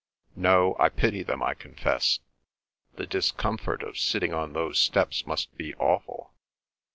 "No, I pity them, I confess. The discomfort of sitting on those steps must be awful."